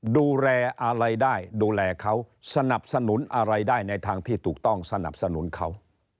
ดูแลอะไรได้ดูแลเขาสนับสนุนอะไรได้ในทางที่ถูกต้องสนับสนุนเขา